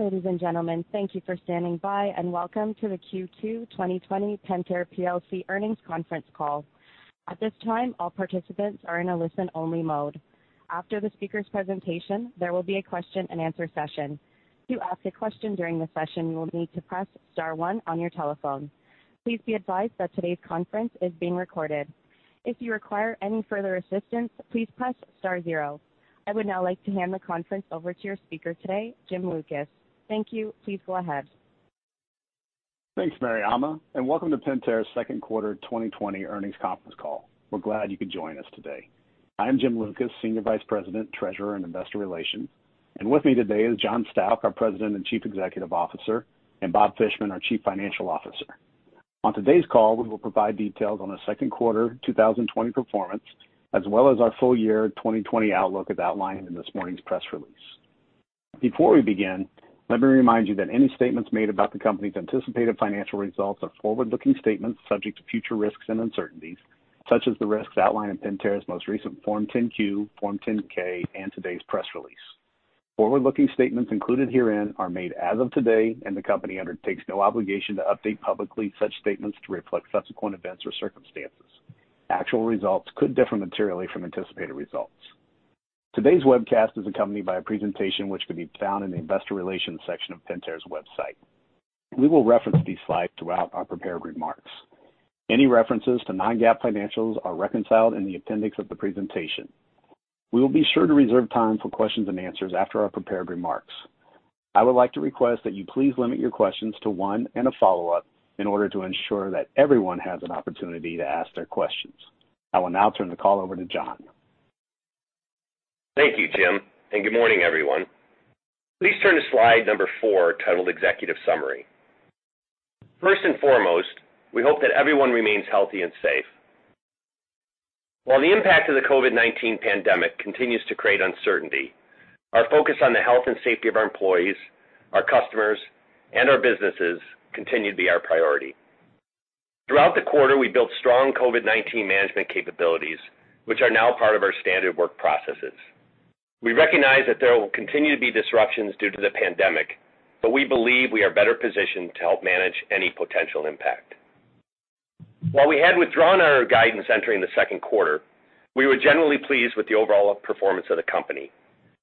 Ladies and gentlemen, thank you for standing by, and welcome to the Q2 2020 Pentair plc earnings conference call. At this time, all participants are in a listen-only mode. After the speaker's presentation, there will be a question and answer session. To ask a question during the session, you will need to press star one on your telephone. Please be advised that today's conference is being recorded. If you require any further assistance, please press star zero. I would now like to hand the conference over to your speaker today, Jim Lucas. Thank you. Please go ahead. Thanks, Mariama, and welcome to Pentair's second quarter 2020 earnings conference call. We're glad you could join us today. I'm Jim Lucas, Senior Vice President, Treasurer, and Investor Relations. And with me today is John Stauch, our President and Chief Executive Officer, and Bob Fishman, our Chief Financial Officer. On today's call, we will provide details on the second quarter 2020 performance, as well as our full year 2020 outlook as outlined in this morning's press release. Before we begin, let me remind you that any statements made about the company's anticipated financial results are forward-looking statements subject to future risks and uncertainties, such as the risks outlined in Pentair's most recent Form 10-Q, Form 10-K, and today's press release. Forward-looking statements included herein are made as of today, and the company undertakes no obligation to update publicly such statements to reflect subsequent events or circumstances. Actual results could differ materially from anticipated results. Today's webcast is accompanied by a presentation which could be found in the investor relations section of Pentair's website. We will reference these slides throughout our prepared remarks. Any references to non-GAAP financials are reconciled in the appendix of the presentation. We will be sure to reserve time for questions and answers after our prepared remarks. I would like to request that you please limit your questions to one and a follow-up in order to ensure that everyone has an opportunity to ask their questions. I will now turn the call over to John. Thank you, Jim, and good morning, everyone. Please turn to slide number four, titled Executive Summary. First and foremost, we hope that everyone remains healthy and safe. While the impact of the COVID-19 pandemic continues to create uncertainty, our focus on the health and safety of our employees, our customers, and our businesses continue to be our priority. Throughout the quarter, we built strong COVID-19 management capabilities, which are now part of our standard work processes. We recognize that there will continue to be disruptions due to the pandemic, but we believe we are better positioned to help manage any potential impact. While we had withdrawn our guidance entering the second quarter, we were generally pleased with the overall performance of the company.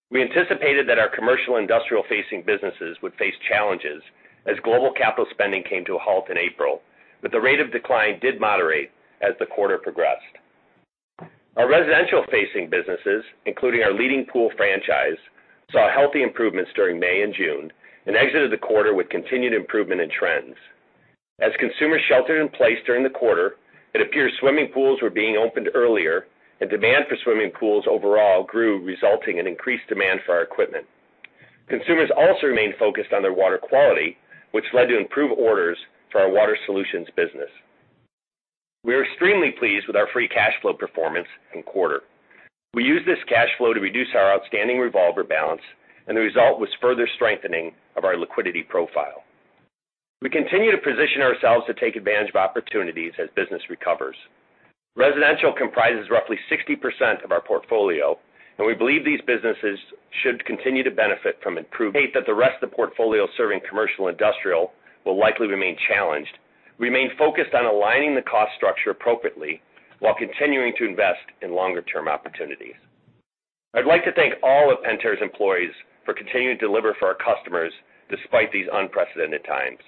We anticipated that our commercial industrial-facing businesses would face challenges as global capital spending came to a halt in April, the rate of decline did moderate as the quarter progressed. Our residential-facing businesses, including our leading pool franchise, saw healthy improvements during May and June and exited the quarter with continued improvement in trends. As consumers sheltered in place during the quarter, it appears swimming pools were being opened earlier and demand for swimming pools overall grew, resulting in increased demand for our equipment. Consumers also remained focused on their water quality, which led to improved orders for our Water Solutions business. We are extremely pleased with our free cash flow performance in quarter. We used this cash flow to reduce our outstanding revolver balance, the result was further strengthening of our liquidity profile. We continue to position ourselves to take advantage of opportunities as business recovers. Residential comprises roughly 60% of our portfolio, and we believe these businesses should continue to benefit from improved. We note that the rest of the portfolio serving commercial and industrial will likely remain challenged. We remain focused on aligning the cost structure appropriately while continuing to invest in longer-term opportunities. I'd like to thank all of Pentair's employees for continuing to deliver for our customers despite these unprecedented times.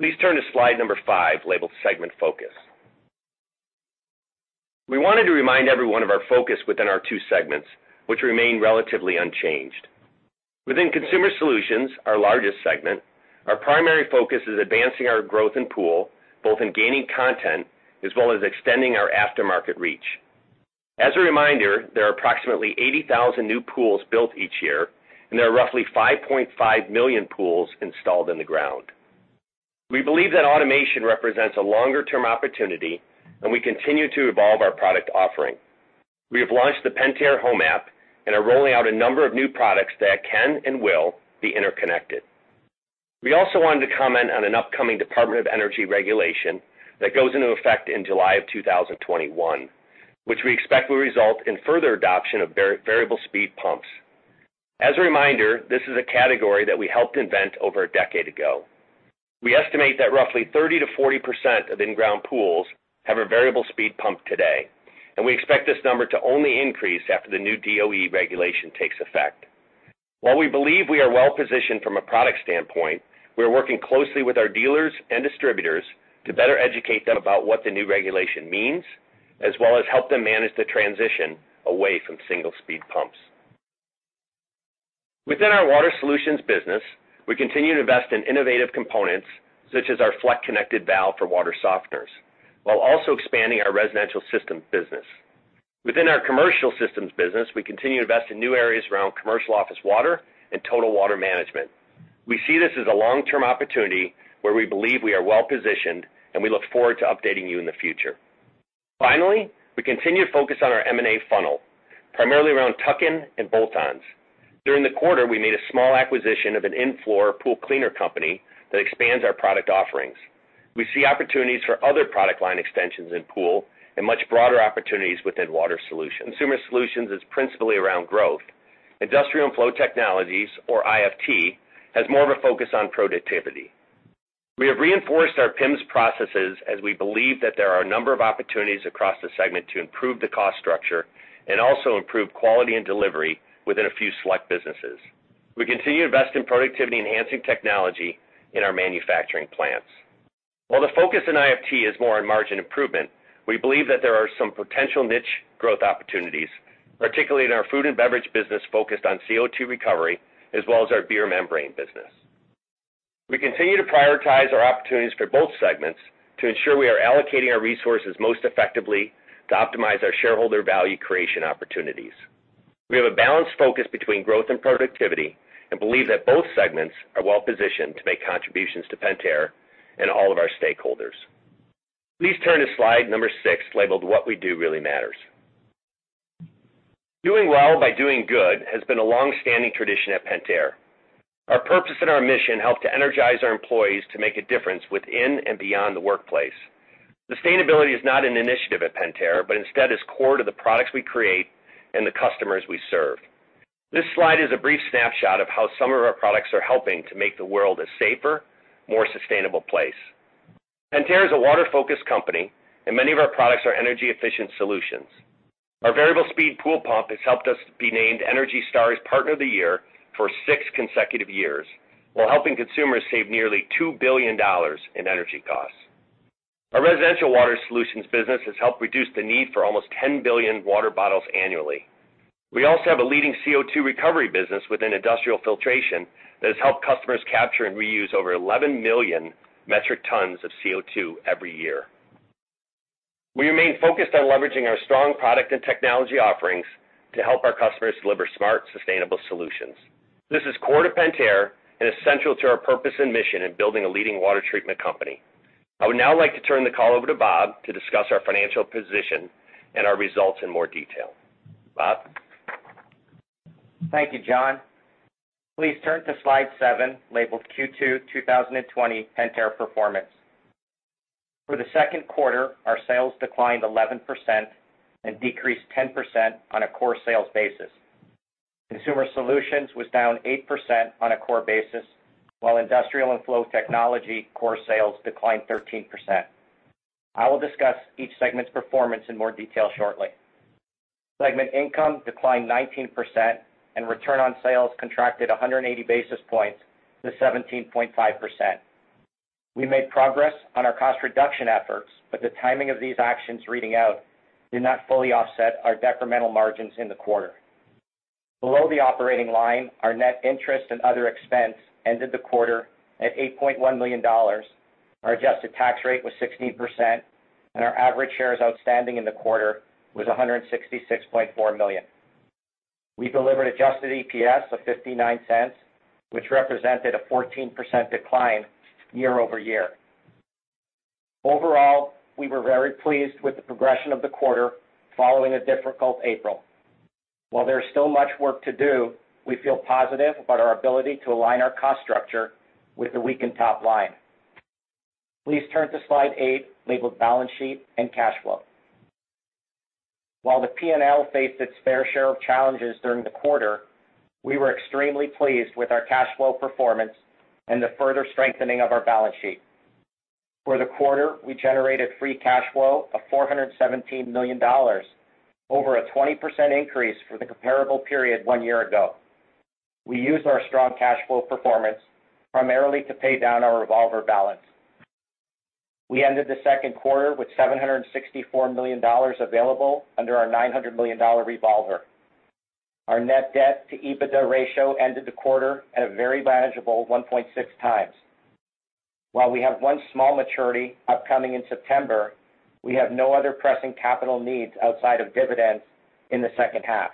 Please turn to slide number five, labeled Segment Focus. We wanted to remind everyone of our focus within our two segments, which remain relatively unchanged. Within Consumer Solutions, our largest segment, our primary focus is advancing our growth in pool, both in gaining content as well as extending our aftermarket reach. As a reminder, there are approximately 80,000 new pools built each year, and there are roughly 5.5 million pools installed in the ground. We believe that automation represents a longer-term opportunity, and we continue to evolve our product offering. We have launched the Pentair Home app and are rolling out a number of new products that can and will be interconnected. We also wanted to comment on an upcoming Department of Energy regulation that goes into effect in July of 2021, which we expect will result in further adoption of variable speed pumps. As a reminder, this is a category that we helped invent over a decade ago. We estimate that roughly 30%-40% of in-ground pools have a variable speed pump today, and we expect this number to only increase after the new DOE regulation takes effect. While we believe we are well-positioned from a product standpoint, we are working closely with our dealers and distributors to better educate them about what the new regulation means, as well as help them manage the transition away from single-speed pumps. Within our Water Solutions business, we continue to invest in innovative components, such as our Fleck Connect valve for water softeners, while also expanding our residential systems business. Within our commercial systems business, we continue to invest in new areas around commercial office water and total water management. We see this as a long-term opportunity where we believe we are well-positioned, and we look forward to updating you in the future. Finally, we continue to focus on our M&A funnel, primarily around tuck-in and bolt-ons. During the quarter, we made a small acquisition of an in-floor pool cleaner company that expands our product offerings. We see opportunities for other product line extensions in pool and much broader opportunities within Water Solutions. Consumer Solutions is principally around growth. Industrial and Flow Technologies, or IFT, has more of a focus on productivity. We have reinforced our PIMS processes as we believe that there are a number of opportunities across the segment to improve the cost structure and also improve quality and delivery within a few select businesses. We continue to invest in productivity-enhancing technology in our manufacturing plants. While the focus in IFT is more on margin improvement, we believe that there are some potential niche growth opportunities, particularly in our food and beverage business focused on CO2 recovery, as well as our beer membrane business. We continue to prioritize our opportunities for both segments to ensure we are allocating our resources most effectively to optimize our shareholder value creation opportunities. We have a balanced focus between growth and productivity and believe that both segments are well-positioned to make contributions to Pentair and all of our stakeholders. Please turn to slide number six, labeled "What We Do Really Matters." Doing well by doing good has been a longstanding tradition at Pentair. Our purpose and our mission help to energize our employees to make a difference within and beyond the workplace. Sustainability is not an initiative at Pentair, but instead is core to the products we create and the customers we serve. This slide is a brief snapshot of how some of our products are helping to make the world a safer, more sustainable place. Pentair is a water-focused company, and many of our products are energy-efficient solutions. Our variable speed pool pump has helped us be named ENERGY STAR's Partner of the Year for six consecutive years, while helping consumers save nearly $2 billion in energy costs. Our Residential Water Solutions business has helped reduce the need for almost 10 billion water bottles annually. We also have a leading CO2 recovery business within Industrial Filtration that has helped customers capture and reuse over 11 million metric tons of CO2 every year. We remain focused on leveraging our strong product and technology offerings to help our customers deliver smart, sustainable solutions. This is core to Pentair and essential to our purpose and mission in building a leading water treatment company. I would now like to turn the call over to Bob to discuss our financial position and our results in more detail. Bob? Thank you, John. Please turn to slide seven, labeled Q2 2020 Pentair Performance. For the second quarter, our sales declined 11% and decreased 10% on a core sales basis. Consumer Solutions was down 8% on a core basis, while Industrial and Flow Technologies core sales declined 13%. I will discuss each segment's performance in more detail shortly. Segment income declined 19% and return on sales contracted 180 basis points to 17.5%. We made progress on our cost reduction efforts, but the timing of these actions reading out did not fully offset our decremental margins in the quarter. Below the operating line, our net interest and other expense ended the quarter at $8.1 million. Our adjusted tax rate was 16%, and our average shares outstanding in the quarter was 166.4 million. We delivered adjusted EPS of $0.59, which represented a 14% decline year-over-year. Overall, we were very pleased with the progression of the quarter following a difficult April. While there is still much work to do, we feel positive about our ability to align our cost structure with the weakened top line. Please turn to slide eight, labeled Balance Sheet and Cash Flow. While the P&L faced its fair share of challenges during the quarter, we were extremely pleased with our cash flow performance and the further strengthening of our balance sheet. For the quarter, we generated free cash flow of $417 million, over a 20% increase for the comparable period one year ago. We used our strong cash flow performance primarily to pay down our revolver balance. We ended the second quarter with $764 million available under our $900 million revolver. Our net debt to EBITDA ratio ended the quarter at a very manageable 1.6x. While we have one small maturity upcoming in September, we have no other pressing capital needs outside of dividends in the second half.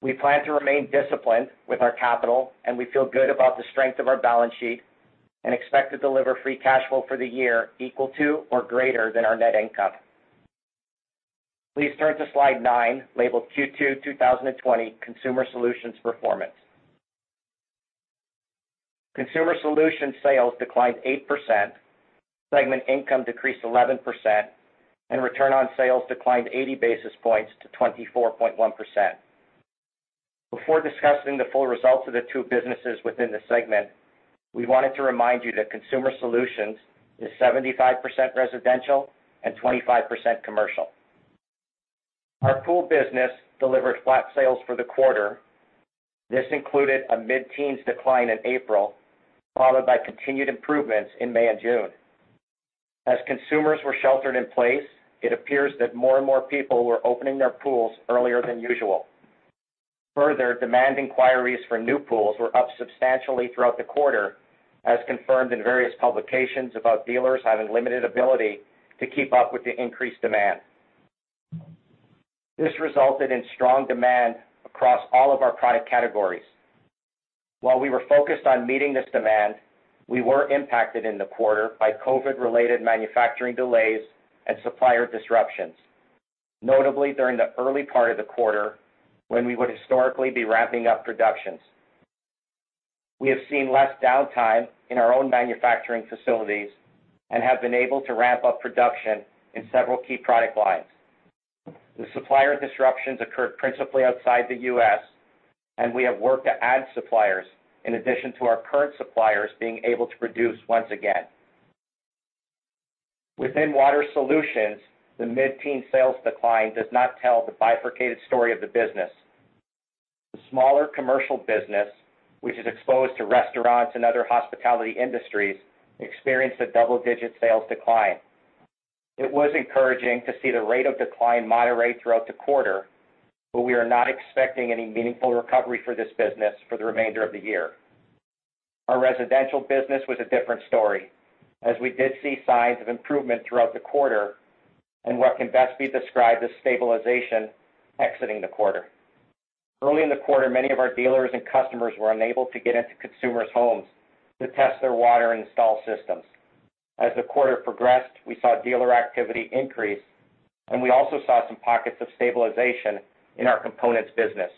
We plan to remain disciplined with our capital, and we feel good about the strength of our balance sheet and expect to deliver free cash flow for the year equal to or greater than our net income. Please turn to slide nine, labeled Q2 2020 Consumer Solutions Performance. Consumer Solutions sales declined 8%, segment income decreased 11%, and return on sales declined 80 basis points to 24.1%. Before discussing the full results of the two businesses within the segment, we wanted to remind you that Consumer Solutions is 75% residential and 25% commercial. Our pool business delivered flat sales for the quarter. This included a mid-teens decline in April, followed by continued improvements in May and June. As consumers were sheltered in place, it appears that more and more people were opening their pools earlier than usual. Demand inquiries for new pools were up substantially throughout the quarter, as confirmed in various publications about dealers having limited ability to keep up with the increased demand. This resulted in strong demand across all of our product categories. While we were focused on meeting this demand, we were impacted in the quarter by COVID-19-related manufacturing delays and supplier disruptions. Notably, during the early part of the quarter, when we would historically be ramping up production. We have seen less downtime in our own manufacturing facilities and have been able to ramp up production in several key product lines. The supplier disruptions occurred principally outside the U.S., we have worked to add suppliers in addition to our current suppliers being able to produce once again. Within Water Solutions, the mid-teen sales decline does not tell the bifurcated story of the business. The smaller commercial business, which is exposed to restaurants and other hospitality industries, experienced a double-digit sales decline. It was encouraging to see the rate of decline moderate throughout the quarter, but we are not expecting any meaningful recovery for this business for the remainder of the year. Our residential business was a different story, as we did see signs of improvement throughout the quarter and what can best be described as stabilization exiting the quarter. Early in the quarter, many of our dealers and customers were unable to get into consumers' homes to test their water and install systems. As the quarter progressed, we saw dealer activity increase, and we also saw some pockets of stabilization in our components business.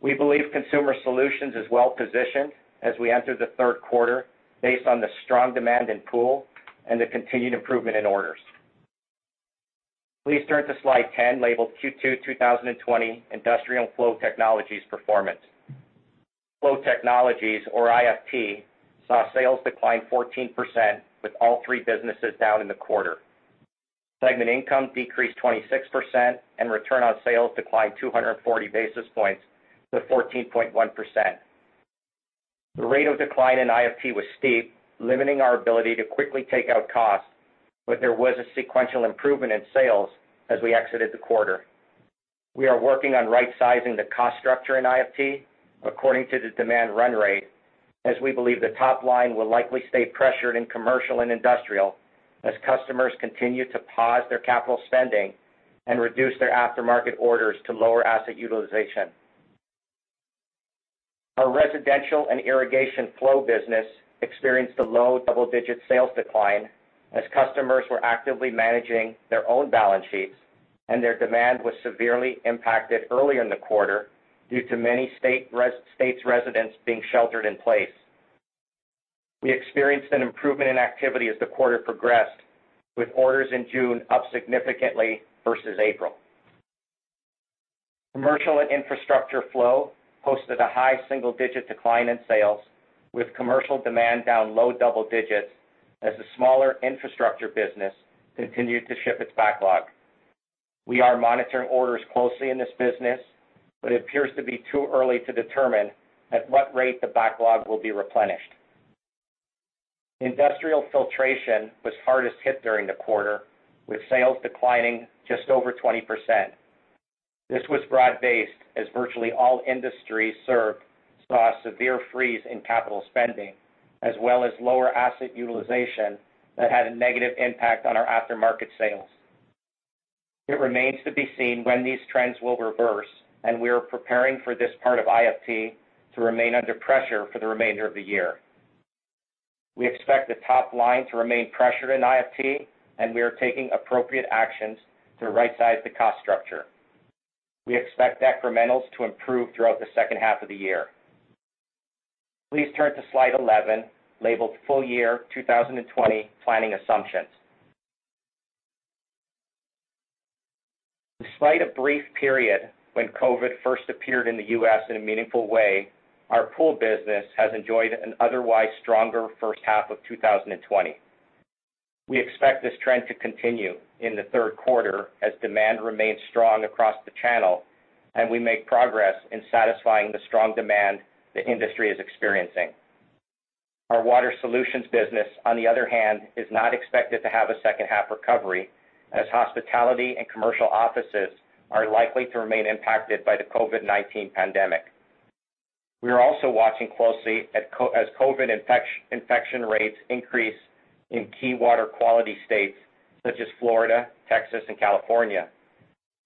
We believe Consumer Solutions is well-positioned as we enter the third quarter based on the strong demand in pool and the continued improvement in orders. Please turn to slide 10, labeled Q2 2020 Industrial and Flow Technologies Performance. Flow Technologies, or IFT, saw sales decline 14% with all three businesses down in the quarter. Segment income decreased 26% and return on sales declined 240 basis points to 14.1%. The rate of decline in IFT was steep, limiting our ability to quickly take out costs, but there was a sequential improvement in sales as we exited the quarter. We are working on rightsizing the cost structure in IFT according to the demand run rate, as we believe the top line will likely stay pressured in commercial and industrial as customers continue to pause their capital spending and reduce their aftermarket orders to lower asset utilization. Our Residential and Irrigation Flow business experienced a low double-digit sales decline as customers were actively managing their own balance sheets, and their demand was severely impacted early in the quarter due to many states' residents being sheltered in place. We experienced an improvement in activity as the quarter progressed, with orders in June up significantly versus April. Commercial and Infrastructure Flow posted a high single-digit decline in sales, with commercial demand down low double digits as the smaller infrastructure business continued to ship its backlog. We are monitoring orders closely in this business, but it appears to be too early to determine at what rate the backlog will be replenished. Industrial Filtration was hardest hit during the quarter, with sales declining just over 20%. This was broad-based as virtually all industries served saw a severe freeze in capital spending, as well as lower asset utilization that had a negative impact on our aftermarket sales. It remains to be seen when these trends will reverse, and we are preparing for this part of IFT to remain under pressure for the remainder of the year. We expect the top line to remain pressured in IFT, and we are taking appropriate actions to rightsize the cost structure. We expect incrementals to improve throughout the second half of the year. Please turn to slide 11, labeled Full Year 2020 Planning Assumptions. Despite a brief period when COVID first appeared in the U.S. in a meaningful way, our pool business has enjoyed an otherwise stronger first half of 2020. We expect this trend to continue in the third quarter as demand remains strong across the channel, and we make progress in satisfying the strong demand the industry is experiencing. Our Water Solutions business, on the other hand, is not expected to have a second half recovery, as hospitality and commercial offices are likely to remain impacted by the COVID-19 pandemic. We are also watching closely as COVID infection rates increase in key water quality states such as Florida, Texas, and California.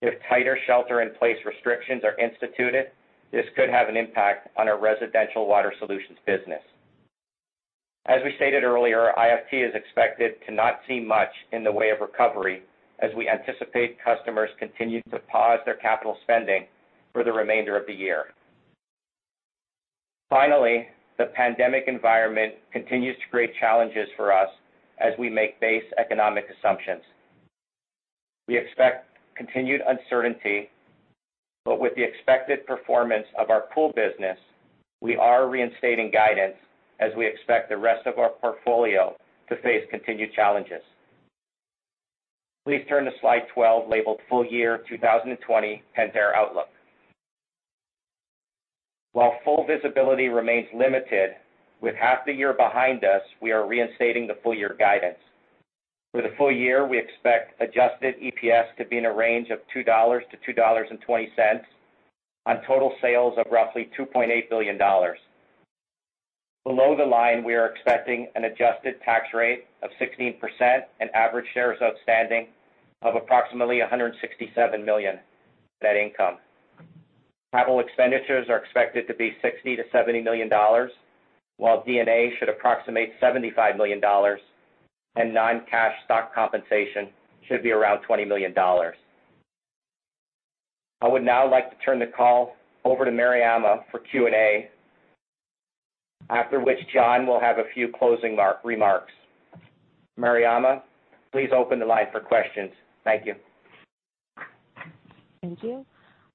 If tighter shelter in place restrictions are instituted, this could have an impact on our residential Water Solutions business. As we stated earlier, IFT is expected to not see much in the way of recovery as we anticipate customers continuing to pause their capital spending for the remainder of the year. Finally, the pandemic environment continues to create challenges for us as we make base economic assumptions. We expect continued uncertainty, with the expected performance of our pool business, we are reinstating guidance as we expect the rest of our portfolio to face continued challenges. Please turn to slide 12, labeled Full Year 2020 Pentair Outlook. While full visibility remains limited, with half the year behind us, we are reinstating the full-year guidance. For the full year, we expect adjusted EPS to be in a range of $2.00-$2.20 on total sales of roughly $2.8 billion. Below the line, we are expecting an adjusted tax rate of 16% and average shares outstanding of approximately $167 million net income. Capital expenditures are expected to be $60 million-$70 million, while D&A should approximate $75 million, and non-cash stock compensation should be around $20 million. I would now like to turn the call over to Mariama for Q&A, after which John will have a few closing remarks. Mariama, please open the line for questions. Thank you. Thank you.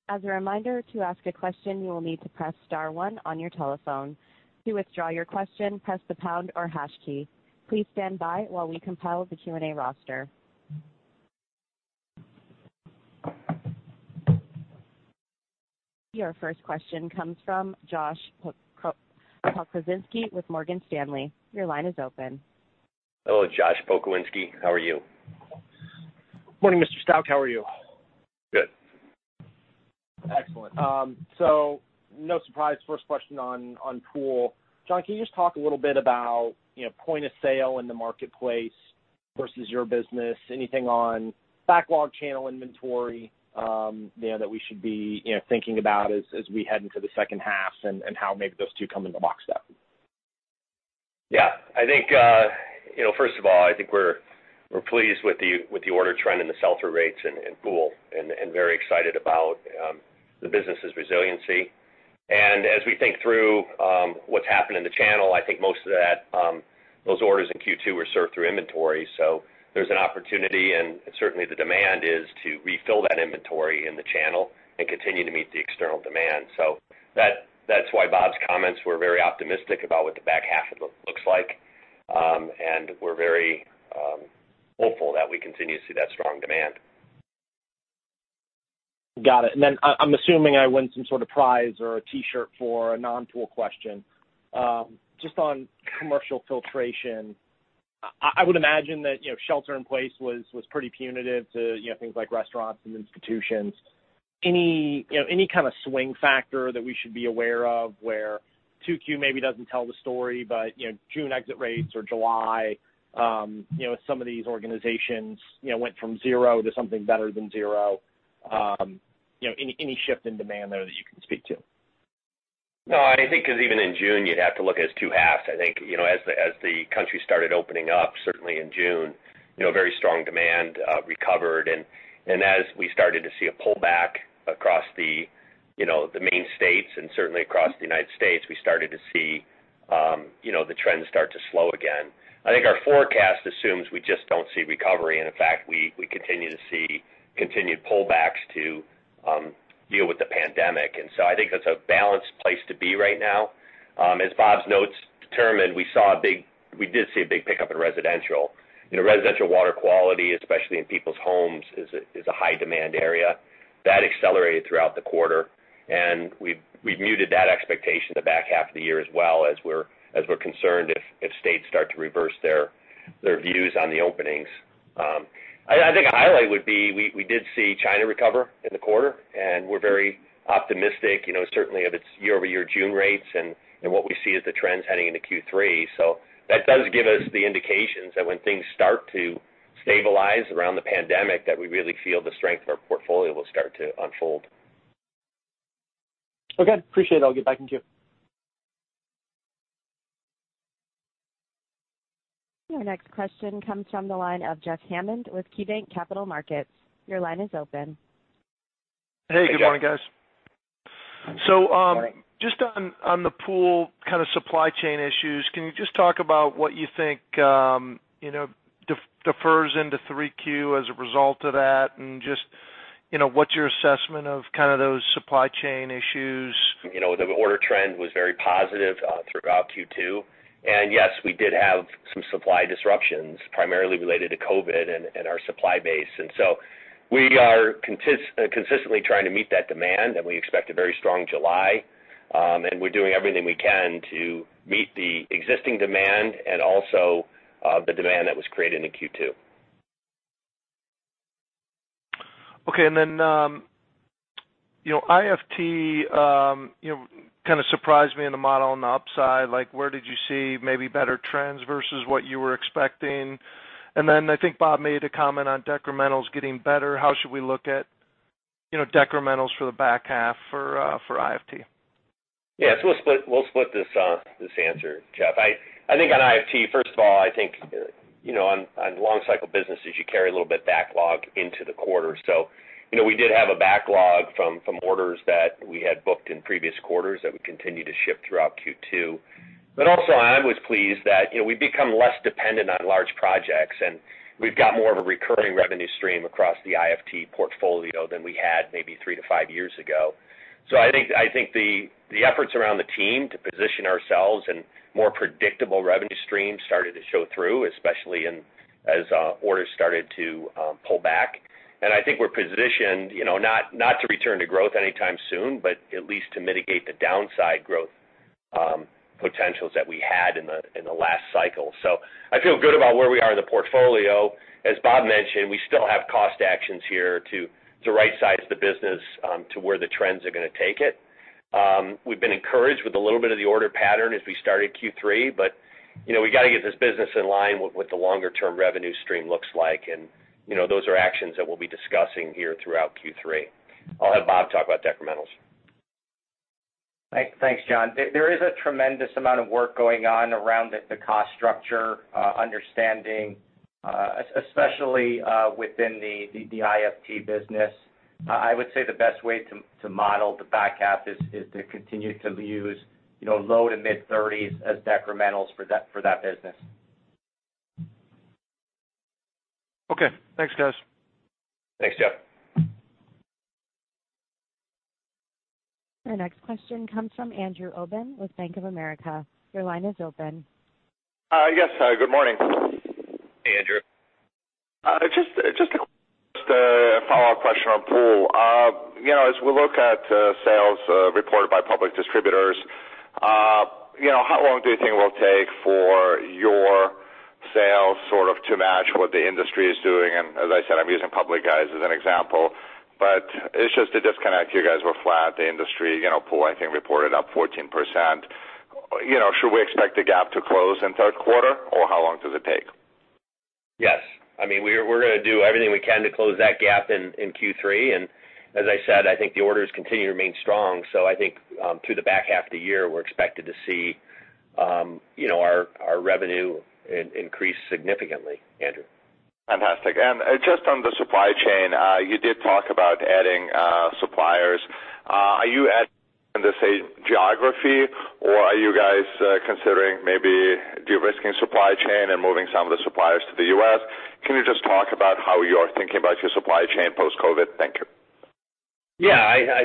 As a reminder, to ask a question, you will need to press star one on your telephone. To withdraw your question, press the pound or hash key. Please stand by while we compile the Q&A roster. Your first question comes from Josh Pokrywinski with Morgan Stanley. Your line is open. Hello, Josh Pokrywinski. How are you? Morning, Mr. Stauch. How are you? Good. Excellent. No surprise, first question on pool. John, can you just talk a little bit about point of sale in the marketplace versus your business? Anything on backlog channel inventory that we should be thinking about as we head into the second half, and how maybe those two come into lockstep? First of all, I think we're pleased with the order trend and the sell-through rates and pool, and very excited about the business's resiliency. As we think through what's happened in the channel, I think most of those orders in Q2 were served through inventory. There's an opportunity, and certainly the demand is to refill that inventory in the channel and continue to meet the external demand. That's why Bob's comments were very optimistic about what the back half looks like. We're very hopeful that we continue to see that strong demand. Got it. I'm assuming I won some sort of prize or a T-shirt for a non-pool question. Just on commercial filtration, I would imagine that shelter in place was pretty punitive to things like restaurants and institutions. Any kind of swing factor that we should be aware of where Q2 maybe doesn't tell the story, but June exit rates or July, some of these organizations went from zero to something better than zero. Any shift in demand there that you can speak to? No, I think because even in June, you'd have to look at it as two halves. I think as the country started opening up, certainly in June, very strong demand recovered. As we started to see a pullback across the main states and certainly across the United States, we started to see the trends start to slow again. I think our forecast assumes we just don't see recovery, and in fact, we continue to see continued pullbacks to deal with the pandemic. I think that's a balanced place to be right now. As Bob's notes determined, we did see a big pickup in residential. Residential water quality, especially in people's homes, is a high demand area. That accelerated throughout the quarter, and we've muted that expectation in the back half of the year as well as we're concerned if states start to reverse their views on the openings. I think a highlight would be we did see China recover in the quarter, and we're very optimistic, certainly of its year-over-year June rates and what we see as the trends heading into Q3. That does give us the indications that when things start to stabilize around the pandemic, that we really feel the strength of our portfolio will start to unfold. Okay. Appreciate it. I'll give it back in queue. Your next question comes from the line of Jeff Hammond with KeyBanc Capital Markets. Your line is open. Hey, Jeff. Hey, good morning, guys. Morning. Just on the pool kind of supply chain issues, can you just talk about what you think defers into 3Q as a result of that? Just what's your assessment of kind of those supply chain issues? The order trend was very positive throughout Q2. Yes, we did have some supply disruptions, primarily related to COVID and our supply base. We are consistently trying to meet that demand, and we expect a very strong July. We're doing everything we can to meet the existing demand and also the demand that was created in Q2. Okay. IFT kind of surprised me in the model on the upside. Where did you see maybe better trends versus what you were expecting? I think Bob made a comment on decrementals getting better. How should we look at decrementals for the back half for IFT? Yeah. We'll split this answer, Jeff. On IFT, first of all, on long cycle businesses, you carry a little bit backlog into the quarter. We did have a backlog from orders that we had booked in previous quarters that we continued to ship throughout Q2. Also, I was pleased that we've become less dependent on large projects, and we've got more of a recurring revenue stream across the IFT portfolio than we had maybe three to five years ago. I think the efforts around the team to position ourselves and more predictable revenue streams started to show through, especially as orders started to pull back. I think we're positioned, not to return to growth anytime soon, but at least to mitigate the downside growth potentials that we had in the last cycle. I feel good about where we are in the portfolio. As Bob mentioned, we still have cost actions here to right size the business to where the trends are going to take it. We've been encouraged with a little bit of the order pattern as we started Q3, but we got to get this business in line with what the longer-term revenue stream looks like. Those are actions that we'll be discussing here throughout Q3. I'll have Bob talk about decrementals. Thanks, John. There is a tremendous amount of work going on around the cost structure, understanding, especially within the IFT business. I would say the best way to model the back half is to continue to use low to mid-30s as decrementals for that business. Okay. Thanks, guys. Thanks, Jeff. Your next question comes from Andrew Obin with Bank of America. Your line is open. Yes. Good morning. Hey, Andrew. Just a follow-up question on pool. As we look at sales reported by public distributors, how long do you think it will take for your sales sort of to match what the industry is doing? As I said, I'm using public guys as an example, but it's just a disconnect. You guys were flat. The industry pool, I think, reported up 14%. Should we expect the gap to close in the third quarter, or how long does it take? Yes. We're going to do everything we can to close that gap in Q3. As I said, I think the orders continue to remain strong. I think, through the back half of the year, we're expected to see our revenue increase significantly, Andrew. Fantastic. Just on the supply chain, you did talk about adding suppliers. Are you adding in the same geography, or are you guys considering maybe de-risking supply chain and moving some of the suppliers to the U.S.? Can you just talk about how you're thinking about your supply chain post-COVID? Thank you. Yeah.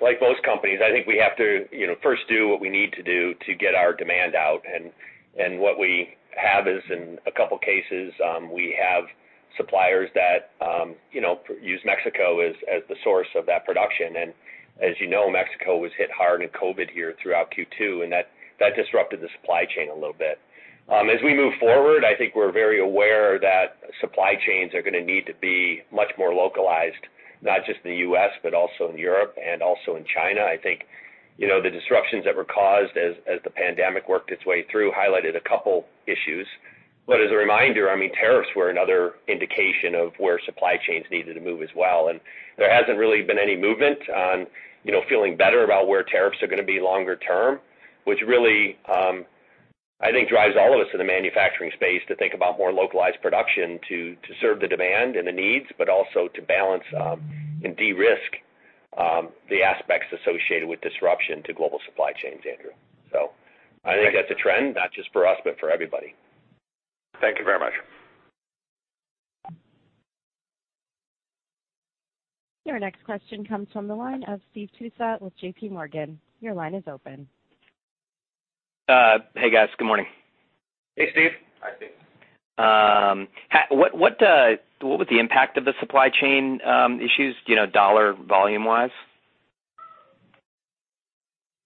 Like most companies, I think we have to first do what we need to do to get our demand out. What we have is in a couple of cases, we have suppliers that use Mexico as the source of that production. As you know, Mexico was hit hard in COVID here throughout Q2, and that disrupted the supply chain a little bit. As we move forward, I think we're very aware that supply chains are going to need to be much more localized, not just in the U.S., but also in Europe and also in China. I think the disruptions that were caused as the pandemic worked its way through highlighted a couple of issues. As a reminder, tariffs were another indication of where supply chains needed to move as well. There hasn't really been any movement on feeling better about where tariffs are going to be longer term, which really, I think drives all of us in the manufacturing space to think about more localized production to serve the demand and the needs, but also to balance and de-risk the aspects associated with disruption to global supply chains, Andrew. I think that's a trend, not just for us, but for everybody. Thank you very much. Your next question comes from the line of Steve Tusa with J.P. Morgan. Your line is open. Hey, guys. Good morning. Hey, Steve. Hi, Steve. What was the impact of the supply chain issues dollar volume-wise?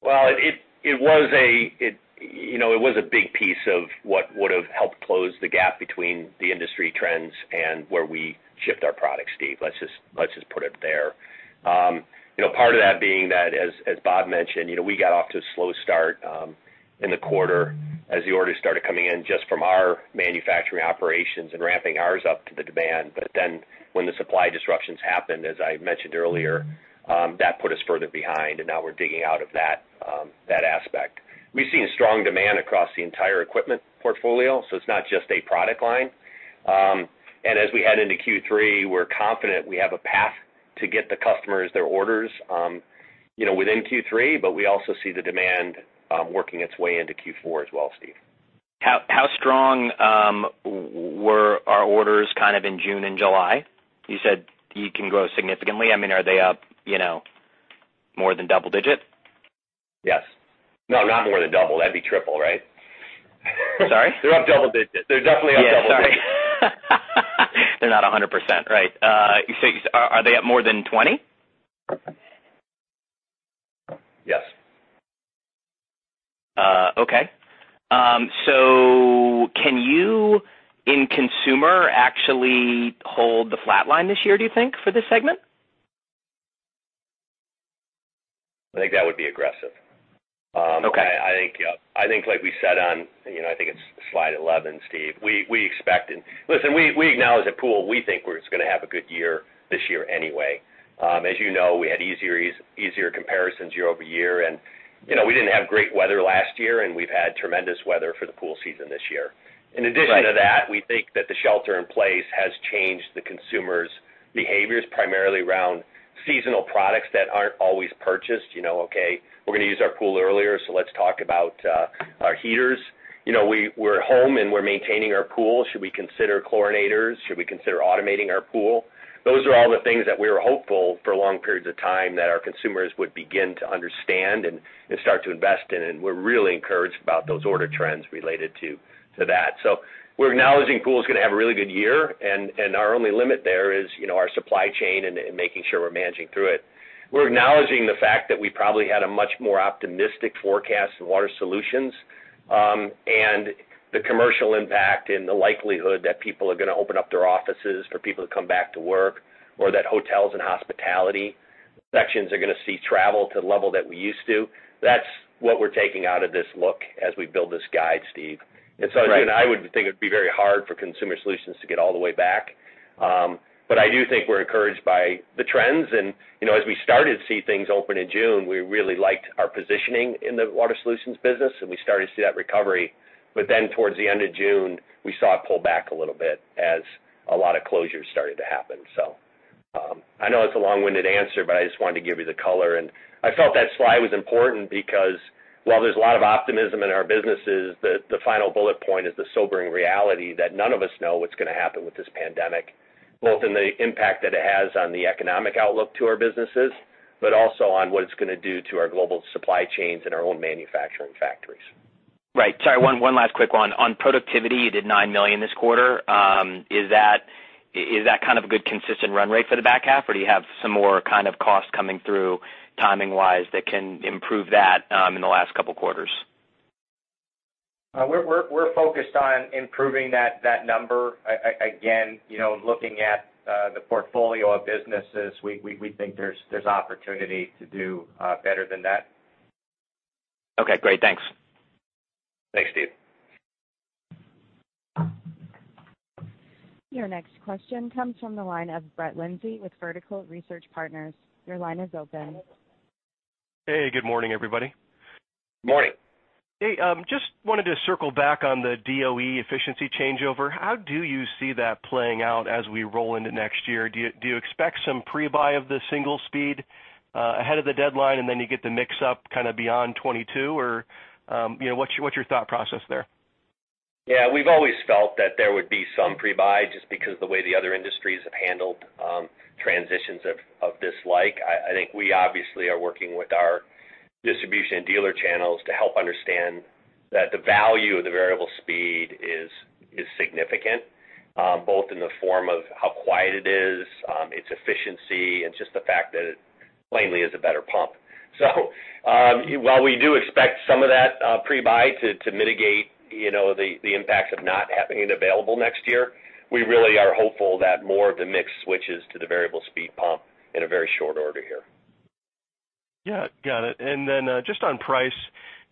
It was a big piece of what would've helped close the gap between the industry trends and where we shipped our products, Steve. Let's just put it there. Part of that being that, as Bob mentioned, we got off to a slow start in the quarter as the orders started coming in just from our manufacturing operations and ramping ours up to the demand. Then when the supply disruptions happened, as I mentioned earlier, that put us further behind, and now we're digging out of that aspect. We've seen strong demand across the entire equipment portfolio, so it's not just a product line. As we head into Q3, we're confident we have a path to get the customers their orders within Q3, but we also see the demand working its way into Q4 as well, Steve. How strong were our orders kind of in June and July? You said you can grow significantly. Are they up more than double digit? Yes. No, not more than double. That'd be triple, right? Sorry? They're up double digits. They're definitely up double digits. Yeah, sorry. They're not 100%, right. Are they up more than 20? Yes. Okay. Can you, in Consumer, actually hold the flat line this year, do you think, for this segment? I think that would be aggressive. Okay. I think like we said on, I think it's slide 11, Steve. Listen, we acknowledge at pool, we think we're just going to have a good year this year anyway. As you know, we had easier comparisons year-over-year, and we didn't have great weather last year, and we've had tremendous weather for the pool season this year. Right. In addition to that, we think that the shelter in place has changed the consumer's behaviors, primarily around seasonal products that aren't always purchased. We're going to use our pool earlier, let's talk about our heaters. We're home, we're maintaining our pool. Should we consider chlorinators? Should we consider automating our pool? Those are all the things that we were hopeful for long periods of time that our consumers would begin to understand and start to invest in, we're really encouraged about those order trends related to that. We're acknowledging pool is going to have a really good year, our only limit there is our supply chain and making sure we're managing through it. We're acknowledging the fact that we probably had a much more optimistic forecast in Water Solutions. The commercial impact and the likelihood that people are going to open up their offices for people to come back to work, or that hotels and hospitality sections are going to see travel to the level that we used to. That's what we're taking out of this look as we build this guide, Steve. Right. Again, I would think it would be very hard for Consumer Solutions to get all the way back. I do think we're encouraged by the trends and as we started to see things open in June, we really liked our positioning in the Water Solutions business, and we started to see that recovery. Towards the end of June, we saw it pull back a little bit as a lot of closures started to happen. I know it's a long-winded answer, but I just wanted to give you the color. I felt that slide was important because while there's a lot of optimism in our businesses, the final bullet point is the sobering reality that none of us know what's going to happen with this pandemic. Both in the impact that it has on the economic outlook to our businesses, but also on what it's going to do to our global supply chains and our own manufacturing factories. Right. Sorry, one last quick one. On productivity, you did $9 million this quarter. Is that kind of a good consistent run rate for the back half, or do you have some more kind of cost coming through timing-wise that can improve that in the last couple quarters? We're focused on improving that number. Again, looking at the portfolio of businesses, we think there's opportunity to do better than that. Okay, great. Thanks. Thanks, Steve. Your next question comes from the line of Brett Linzey with Vertical Research Partners. Your line is open. Hey, good morning, everybody. Morning. Hey, just wanted to circle back on the DOE efficiency changeover. How do you see that playing out as we roll into next year? Do you expect some pre-buy of the single speed ahead of the deadline, and then you get the mix-up kind of beyond 2022? What's your thought process there? We've always felt that there would be some pre-buy, just because the way the other industries have handled transitions of this like. I think we obviously are working with our distribution and dealer channels to help understand that the value of the variable speed is significant, both in the form of how quiet it is, its efficiency, and just the fact that it plainly is a better pump. While we do expect some of that pre-buy to mitigate the impacts of not having it available next year, we really are hopeful that more of the mix switches to the variable speed pump in a very short order here. Yeah. Got it. Just on price,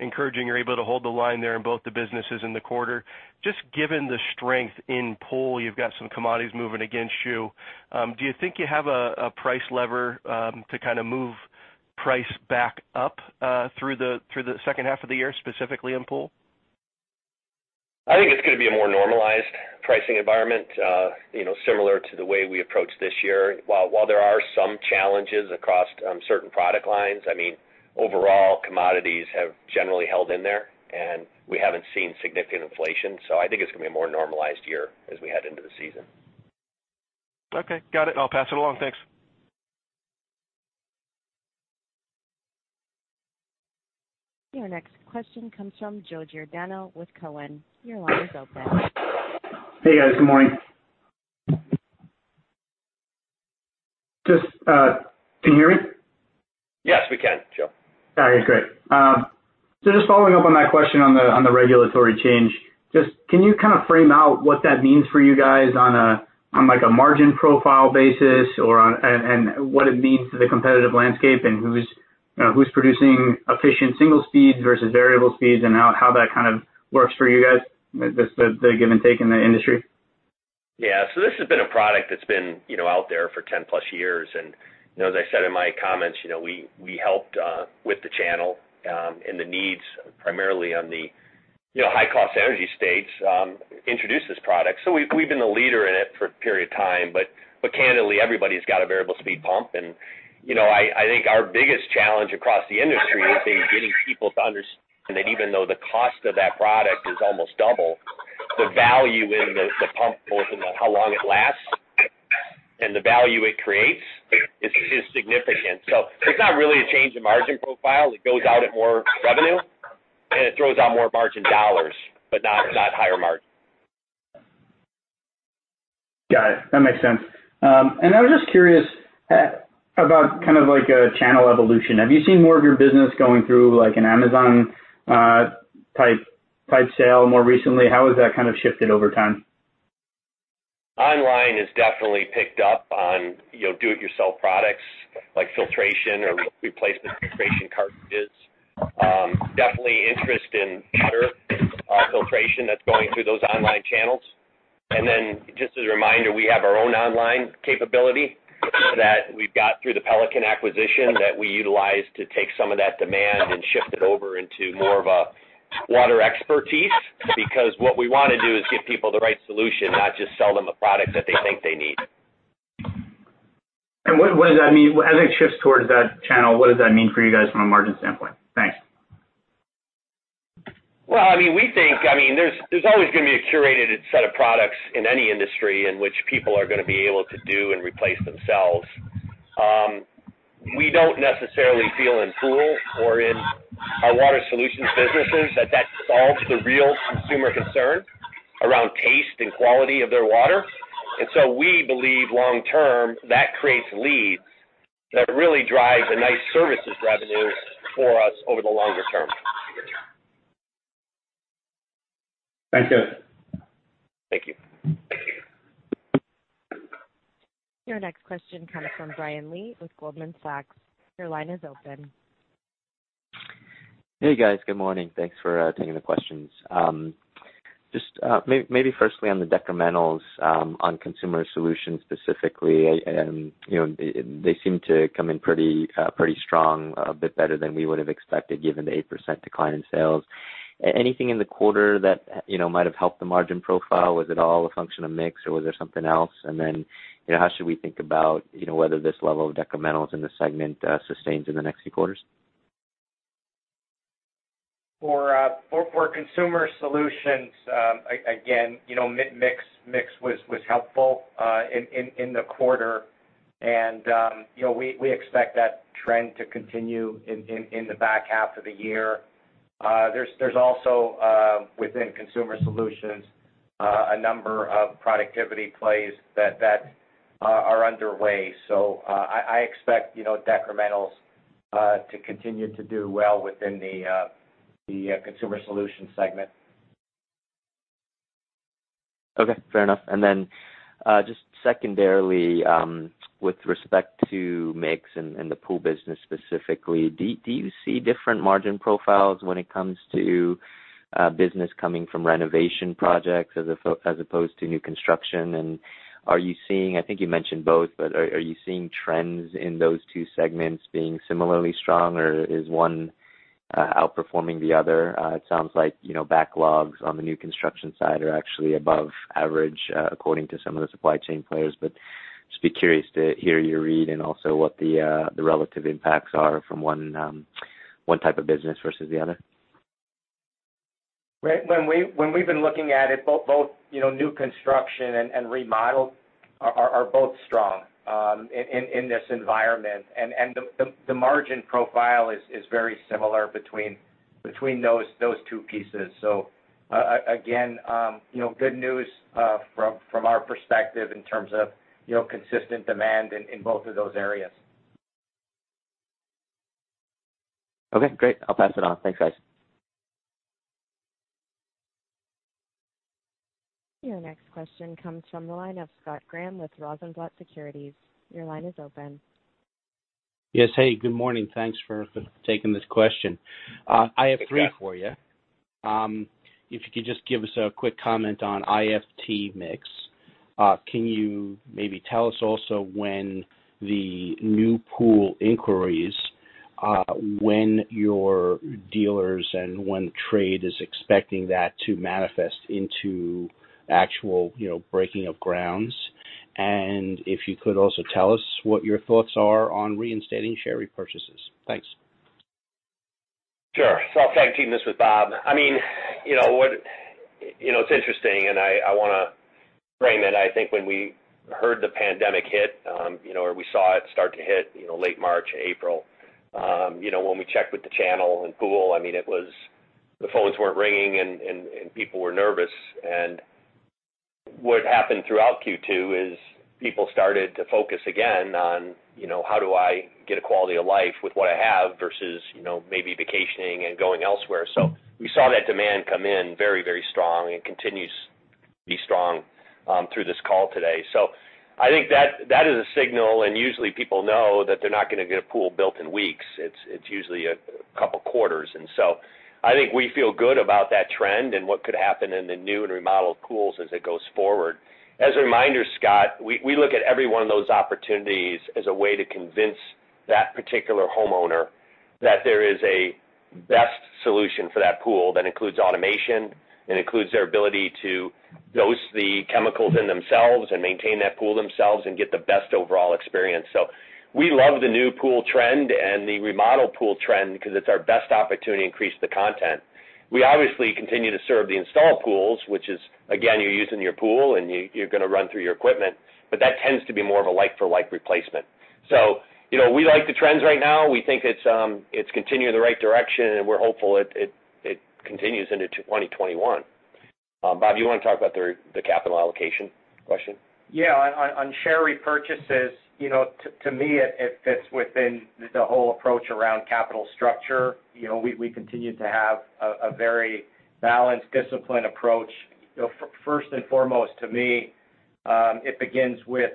encouraging you're able to hold the line there in both the businesses in the quarter. Just given the strength in pool, you've got some commodities moving against you. Do you think you have a price lever to kind of move price back up through the second half of the year, specifically in pool? I think it's going to be a more normalized pricing environment, similar to the way we approached this year. While there are some challenges across certain product lines, overall commodities have generally held in there and we haven't seen significant inflation. I think it's going to be a more normalized year as we head into the season. Okay. Got it. I'll pass it along, thanks. Your next question comes from Joe Giordano with Cowen. Your line is open. Hey, guys. Good morning. Can you hear me? Yes, we can, Joe. All right, great. Just following up on that question on the regulatory change. Just can you kind of frame out what that means for you guys on a margin profile basis, and what it means to the competitive landscape, and who's producing efficient single speeds versus variable speeds, and how that kind of works for you guys, the give and take in the industry? Yeah. This has been a product that's been out there for 10+ years, and as I said in my comments, we helped with the channel, and the needs primarily on the high cost energy states introduce this product. We've been the leader in it for a period of time, but candidly, everybody's got a variable speed pump. I think our biggest challenge across the industry is getting people to understand that even though the cost of that product is almost double, the value in the pump, both in the how long it lasts and the value it creates, is significant. It's not really a change in margin profile. It goes out at more revenue and it throws out more margin dollars, but not higher margin. Got it. That makes sense. I was just curious about kind of like a channel evolution. Have you seen more of your business going through like an Amazon-type sale more recently? How has that kind of shifted over time? Online has definitely picked up on do it yourself products like filtration or replacement filtration cartridges. Definitely interest in better filtration that's going through those online channels. Then just as a reminder, we have our own online capability that we've got through the Pelican acquisition that we utilize to take some of that demand and shift it over into more of a water expertise. What we want to do is give people the right solution, not just sell them a product that they think they need. As it shifts towards that channel, what does that mean for you guys from a margin standpoint? Thanks. Well, there's always going to be a curated set of products in any industry in which people are going to be able to do and replace themselves. We don't necessarily feel in pool or in our Water Solutions businesses that that solves the real consumer concern around taste and quality of their water. We believe long-term, that creates leads that really drives a nice services revenue for us over the longer term. Thanks, guys. Thank you. Your next question comes from Brian Lee with Goldman Sachs. Your line is open. Hey, guys. Good morning. Thanks for taking the questions. Maybe firstly on the decrementals on Consumer Solutions specifically, they seem to come in pretty strong, a bit better than we would've expected given the 8% decline in sales. Anything in the quarter that might've helped the margin profile? Was it all a function of mix or was there something else? How should we think about whether this level of decrementals in the segment sustains in the next few quarters? For Consumer Solutions, again, mix was helpful in the quarter. We expect that trend to continue in the back half of the year. There's also, within Consumer Solutions, a number of productivity plays that are underway. I expect decrementals to continue to do well within the Consumer Solutions segment. Okay, fair enough. Just secondarily, with respect to mix and the pool business specifically, do you see different margin profiles when it comes to business coming from renovation projects as opposed to new construction? I think you mentioned both, are you seeing trends in those two segments being similarly strong, or is one outperforming the other? It sounds like backlogs on the new construction side are actually above average, according to some of the supply chain players. Just be curious to hear your read and also what the relative impacts are from one type of business versus the other. When we've been looking at it, both new construction and remodel are both strong in this environment. The margin profile is very similar between those two pieces. Again, good news from our perspective in terms of consistent demand in both of those areas. Okay, great. I'll pass it on. Thanks, guys. Your next question comes from the line of Scott Graham with Rosenblatt Securities. Your line is open. Yes. Hey, good morning. Thanks for taking this question. Hey, Scott. I have three for you. If you could just give us a quick comment on IFT mix. Can you maybe tell us also when the new pool inquiries, when your dealers and when trade is expecting that to manifest into actual breaking of grounds? If you could also tell us what your thoughts are on reinstating share repurchases. Thanks. Sure. I'll tag-team this with Bob. It's interesting, I want to frame it. I think when we heard the pandemic hit, or we saw it start to hit late March, April, when we checked with the channel and pool, the phones weren't ringing and people were nervous. What happened throughout Q2 is people started to focus again on how do I get a quality of life with what I have versus maybe vacationing and going elsewhere. We saw that demand come in very strong and continues to be strong through this call today. I think that is a signal, and usually people know that they're not going to get a pool built in weeks. It's usually a couple of quarters. I think we feel good about that trend and what could happen in the new and remodeled pools as it goes forward. As a reminder, Scott, we look at every one of those opportunities as a way to convince that particular homeowner that there is a best solution for that pool that includes automation and includes their ability to dose the chemicals in themselves and maintain that pool themselves and get the best overall experience. We love the new pool trend and the remodeled pool trend because it's our best opportunity to increase the content. We obviously continue to serve the installed pools, which is, again, you're using your pool and you're going to run through your equipment, but that tends to be more of a like for like replacement. We like the trends right now. We think it's continuing in the right direction, and we're hopeful it continues into 2021. Bob, you want to talk about the capital allocation question? Yeah. On share repurchases, to me, it fits within the whole approach around capital structure. We continue to have a very balanced, disciplined approach. First and foremost, to me, it begins with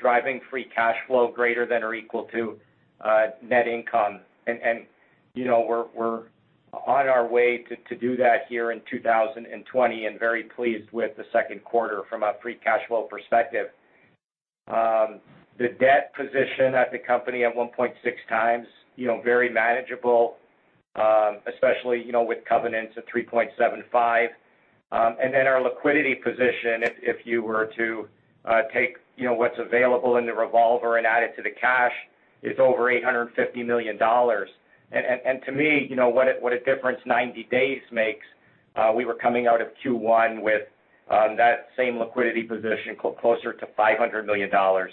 driving free cash flow greater than or equal to net income. We're on our way to do that here in 2020 and very pleased with the second quarter from a free cash flow perspective. The debt position at the company at 1.6 times, very manageable, especially with covenants of 3.75. Our liquidity position, if you were to take what's available in the revolver and add it to the cash, is over $850 million. To me, what a difference 90 days makes. We were coming out of Q1 with that same liquidity position closer to $500 million. $350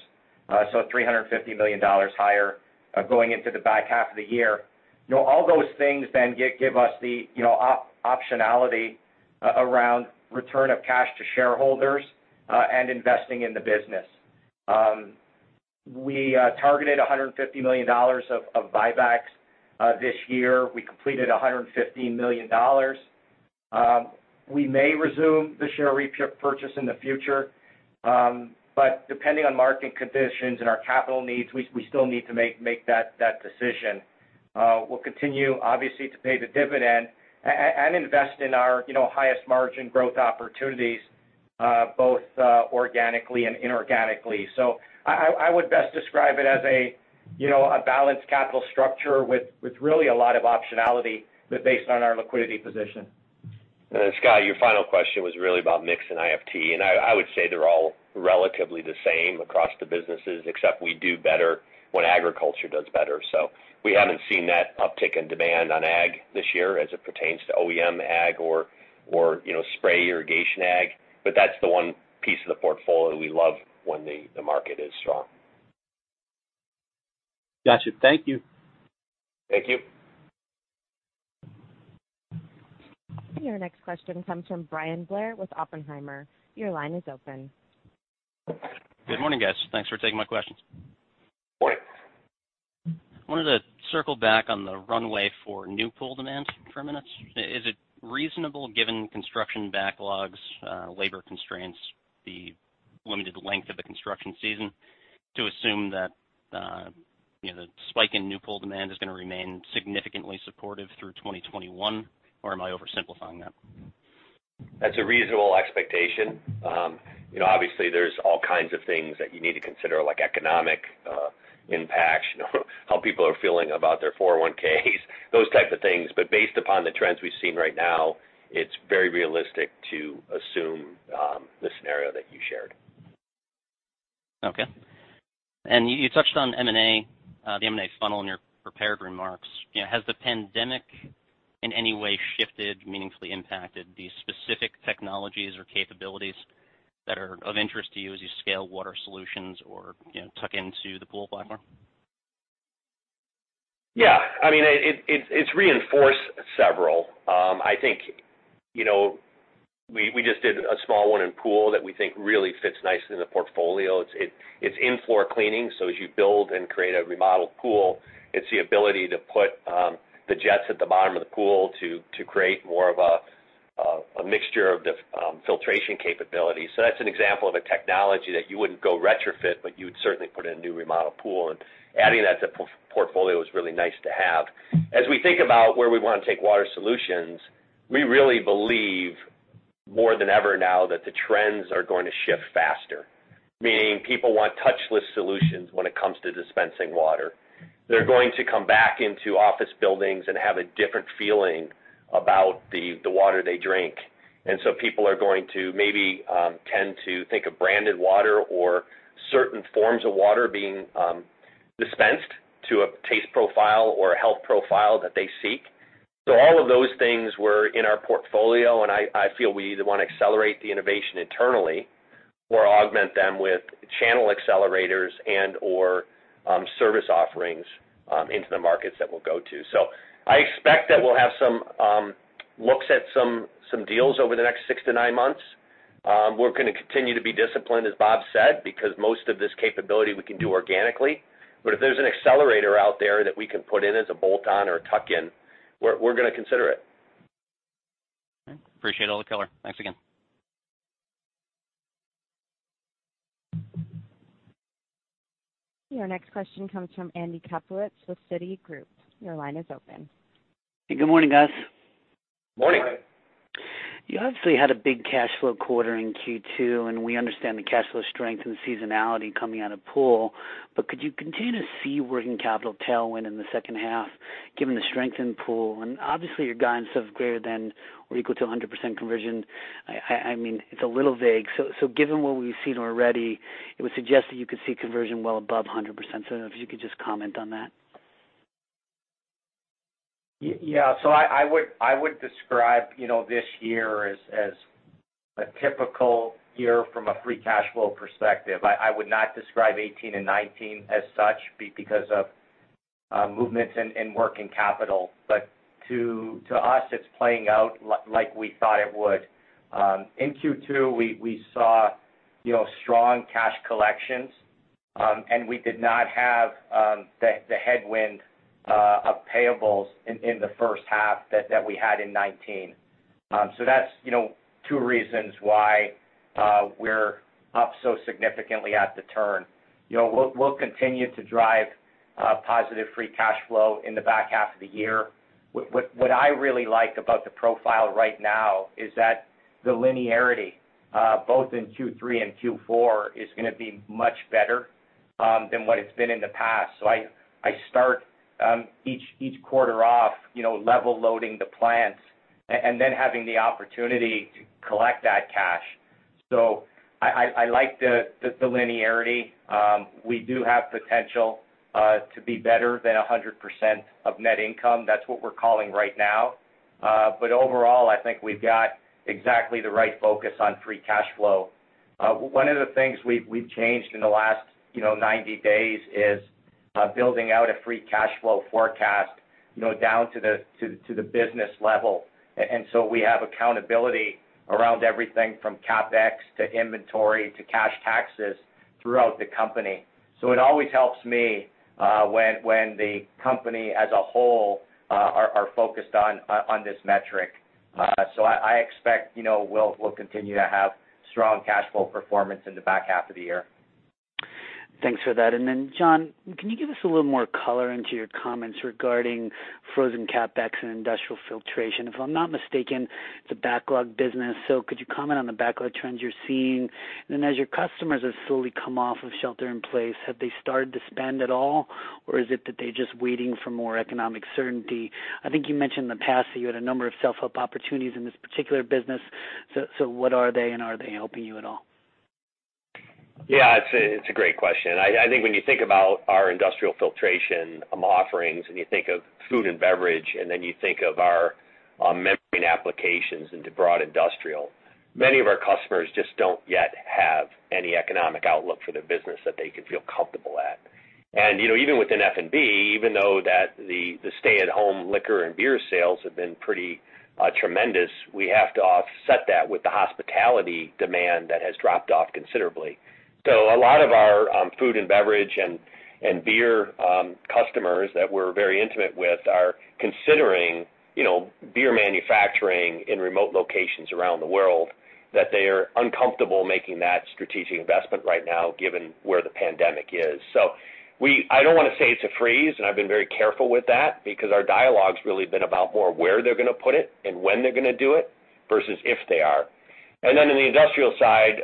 million higher going into the back half of the year. All those things give us the optionality around return of cash to shareholders and investing in the business. We targeted $150 million of buybacks this year. We completed $115 million. We may resume the share repurchase in the future, depending on market conditions and our capital needs, we still need to make that decision. We'll continue, obviously, to pay the dividend and invest in our highest margin growth opportunities, both organically and inorganically. I would best describe it as a balanced capital structure with really a lot of optionality based on our liquidity position. Scott, your final question was really about mix and IFT, and I would say they're all relatively the same across the businesses, except we do better when agriculture does better. We haven't seen that uptick in demand on ag this year as it pertains to OEM ag or spray irrigation ag. That's the one piece of the portfolio we love when the market is strong. Got you. Thank you. Thank you. Your next question comes from Bryan Blair with Oppenheimer. Your line is open. Good morning, guys. Thanks for taking my questions. Morning. I wanted to circle back on the runway for new pool demand for a minute. Is it reasonable, given construction backlogs, labor constraints, the limited length of the construction season, to assume that the spike in new pool demand is going to remain significantly supportive through 2021? Am I oversimplifying that? That's a reasonable expectation. Obviously, there's all kinds of things that you need to consider, like economic impacts, how people are feeling about their 401s, those types of things. Based upon the trends we've seen right now, it's very realistic to assume the scenario that you shared. Okay. You touched on M&A, the M&A funnel in your prepared remarks. Has the pandemic in any way shifted, meaningfully impacted the specific technologies or capabilities that are of interest to you as you scale Water Solutions or tuck into the pool platform? Yeah. It's reinforced several. I think we just did a small one in pool that we think really fits nicely in the portfolio. It's in-floor cleaning, so as you build and create a remodeled pool, it's the ability to put the jets at the bottom of the pool to create more of a mixture of the filtration capability. That's an example of a technology that you wouldn't go retrofit, but you would certainly put in a new remodeled pool, and adding that to portfolio is really nice to have. As we think about where we want to take Water Solutions, we really believe more than ever now that the trends are going to shift faster, meaning people want touchless solutions when it comes to dispensing water. They're going to come back into office buildings and have a different feeling about the water they drink, people are going to maybe tend to think of branded water or certain forms of water being dispensed to a taste profile or a health profile that they seek. All of those things were in our portfolio, and I feel we either want to accelerate the innovation internally or augment them with channel accelerators and/or service offerings into the markets that we'll go to. I expect that we'll have some looks at some deals over the next six to nine months. We're going to continue to be disciplined, as Bob said, because most of this capability we can do organically. If there's an accelerator out there that we can put in as a bolt-on or a tuck-in, we're going to consider it. Okay. Appreciate all the color. Thanks again. Your next question comes from Andy Kaplowitz with Citigroup. Your line is open. Hey, good morning, guys. Morning. Morning. You obviously had a big cash flow quarter in Q2, and we understand the cash flow strength and seasonality coming out of pool. Could you continue to see working capital tailwind in the second half given the strength in pool? Obviously, your guidance of greater than or equal to 100% conversion, it's a little vague. Given what we've seen already, it would suggest that you could see conversion well above 100%. I don't know if you could just comment on that. Yeah. I would describe this year as a typical year from a free cash flow perspective. I would not describe 2018 and 2019 as such because of movements in working capital. To us, it's playing out like we thought it would. In Q2, we saw strong cash collections, and we did not have the headwind of payables in the first half that we had in 2019. That's two reasons why we're up so significantly at the turn. We'll continue to drive positive free cash flow in the back half of the year. What I really like about the profile right now is that the linearity, both in Q3 and Q4, is going to be much better than what it's been in the past. I start each quarter off level loading the plants and then having the opportunity to collect that cash. I like the linearity. We do have potential to be better than 100% of net income. That's what we're calling right now. Overall, I think we've got exactly the right focus on free cash flow. One of the things we've changed in the last 90 days is building out a free cash flow forecast down to the business level. We have accountability around everything from CapEx, to inventory, to cash taxes throughout the company. It always helps me when the company as a whole are focused on this metric. I expect we'll continue to have strong cash flow performance in the back half of the year. Thanks for that. John, can you give us a little more color into your comments regarding frozen CapEx and Industrial Filtration? If I'm not mistaken, it's a backlog business, so could you comment on the backlog trends you're seeing? As your customers have slowly come off of shelter in place, have they started to spend at all or is it that they're just waiting for more economic certainty? I think you mentioned in the past that you had a number of self-help opportunities in this particular business. What are they and are they helping you at all? Yeah, it's a great question. I think when you think about our industrial filtration offerings, and you think of food and beverage, and then you think of our membrane applications into broad industrial, many of our customers just don't yet have any economic outlook for their business that they could feel comfortable at. Even within F&B, even though that the stay-at-home liquor and beer sales have been pretty tremendous, we have to offset that with the hospitality demand that has dropped off considerably. A lot of our food and beverage and beer customers that we're very intimate with are considering beer manufacturing in remote locations around the world that they are uncomfortable making that strategic investment right now given where the pandemic is. I don't want to say it's a freeze, and I've been very careful with that because our dialogue's really been about more where they're going to put it and when they're going to do it versus if they are. In the industrial side,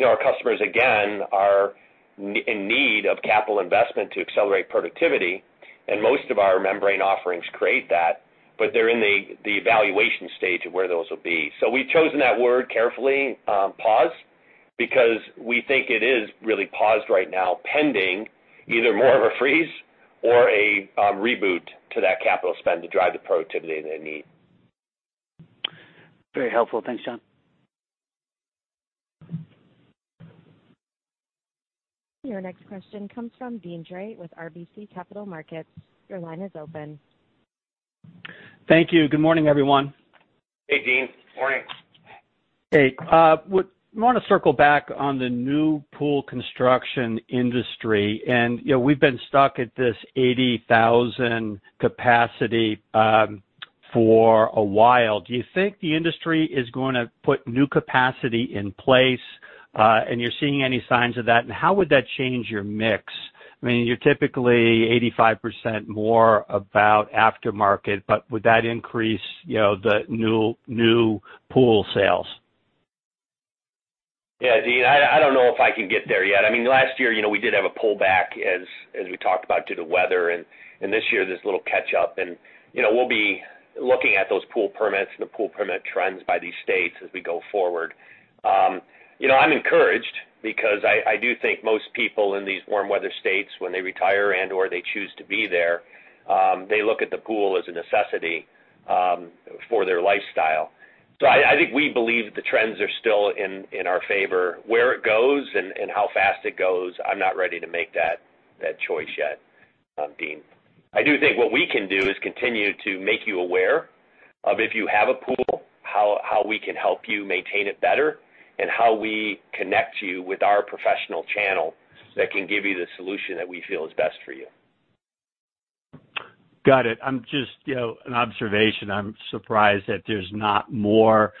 our customers, again, are in need of capital investment to accelerate productivity, and most of our membrane offerings create that, but they're in the evaluation stage of where those will be. We've chosen that word carefully, pause, because we think it is really paused right now pending either more of a freeze or a reboot to that capital spend to drive the productivity they need. Very helpful. Thanks, John. Your next question comes from Deane Dray with RBC Capital Markets. Your line is open. Thank you. Good morning, everyone. Hey, Deane. Morning. Hey. I want to circle back on the new pool construction industry. We've been stuck at this 80,000 capacity for a while. Do you think the industry is going to put new capacity in place, and you're seeing any signs of that? How would that change your mix? You're typically 85% more about aftermarket, but would that increase the new pool sales? Yeah, Deane, I don't know if I can get there yet. Last year, we did have a pullback, as we talked about, due to weather, and this year, there's little catch-up. We'll be looking at those pool permits and the pool permit trends by these states as we go forward. I'm encouraged because I do think most people in these warm weather states, when they retire and/or they choose to be there, they look at the pool as a necessity for their lifestyle. I think we believe the trends are still in our favor. Where it goes and how fast it goes, I'm not ready to make that choice yet, Deane. I do think what we can do is continue to make you aware of if you have a pool, how we can help you maintain it better, and how we connect you with our professional channel that can give you the solution that we feel is best for you. Got it. Just an observation. I'm surprised that there's not more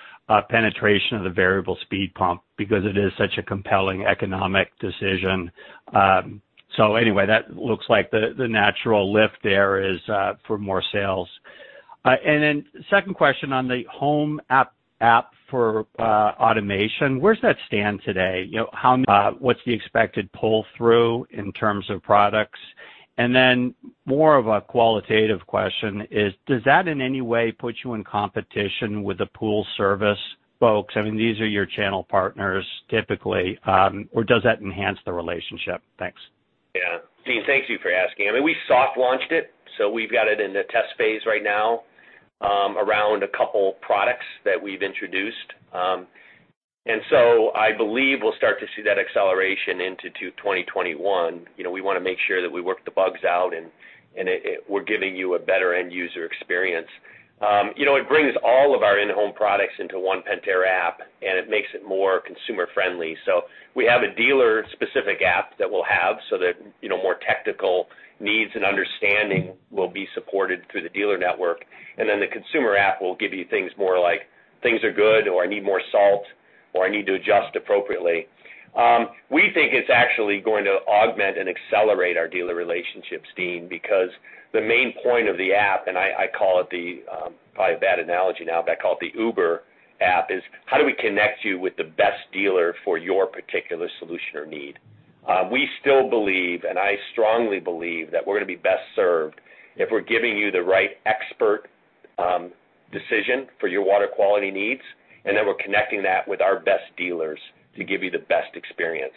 penetration of the variable speed pump because it is such a compelling economic decision. Anyway, that looks like the natural lift there is for more sales. Second question on the Pentair Home app for automation. Where does that stand today? What's the expected pull-through in terms of products? More of a qualitative question is, does that in any way put you in competition with the pool service folks? These are your channel partners typically. Does that enhance the relationship? Thanks. Deane, thank you for asking. We soft launched it, so we've got it in the test phase right now around a couple products that we've introduced. I believe we'll start to see that acceleration into 2021. We want to make sure that we work the bugs out and we're giving you a better end-user experience. It brings all of our in-home products into one Pentair app, and it makes it more consumer-friendly. We have a dealer-specific app that we'll have so that more technical needs and understanding will be supported through the dealer network. The consumer app will give you things more like, things are good, or I need more salt, or I need to adjust appropriately. We think it's actually going to augment and accelerate our dealer relationships, Deane, because the main point of the app, and probably a bad analogy now, but I call it the Uber app, is how do we connect you with the best dealer for your particular solution or need? We still believe, and I strongly believe, that we're going to be best served if we're giving you the right expert decision for your water quality needs, and then we're connecting that with our best dealers to give you the best experience.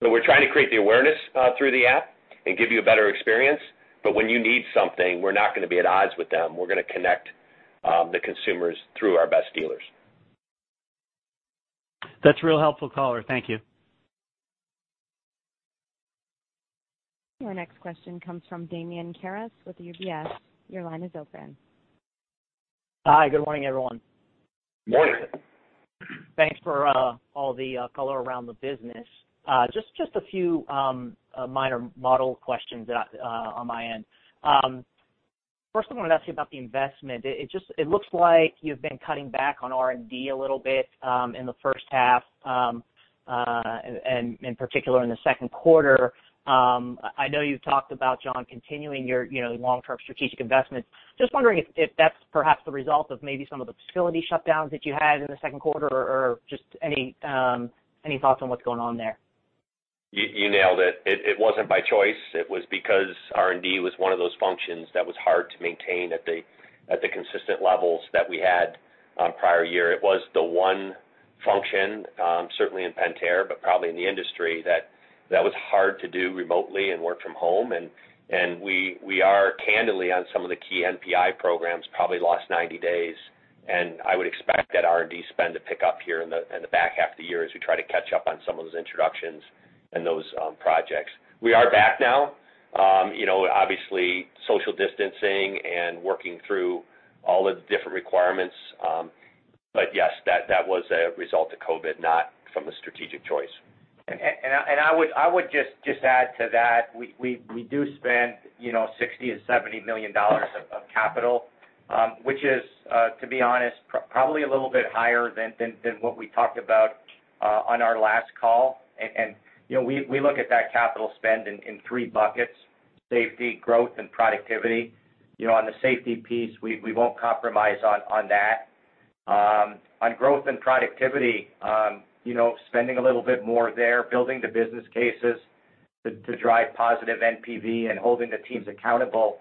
We're trying to create the awareness through the app. Give you a better experience. When you need something, we're not going to be at odds with them. We're going to connect the consumers through our best dealers. That's real helpful color. Thank you. Your next question comes from Damian Karas with UBS. Your line is open. Hi. Good morning, everyone. Morning. Thanks for all the color around the business. A few minor model questions on my end. First I want to ask you about the investment. It looks like you've been cutting back on R&D a little bit in the first half, and in particular in the second quarter. I know you've talked about, John, continuing your long-term strategic investments. Wondering if that's perhaps the result of maybe some of the facility shutdowns that you had in the second quarter, or just any thoughts on what's going on there? You nailed it. It wasn't by choice. It was because R&D was one of those functions that was hard to maintain at the consistent levels that we had prior year. It was the one function, certainly in Pentair, but probably in the industry, that was hard to do remotely and work from home. We are candidly on some of the key NPI programs, probably the last 90 days, and I would expect that R&D spend to pick up here in the back half of the year as we try to catch up on some of those introductions and those projects. We are back now. Obviously social distancing and working through all the different requirements. Yes, that was a result of COVID, not from a strategic choice. I would just add to that, we do spend $60 million-$70 million of capital. Which is, to be honest, probably a little bit higher than what we talked about on our last call. We look at that capital spend in three buckets, safety, growth, and productivity. On the safety piece, we won't compromise on that. On growth and productivity, spending a little bit more there, building the business cases to drive positive NPV and holding the teams accountable.